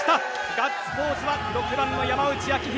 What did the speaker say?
ガッツポーズは６番の山内晶大。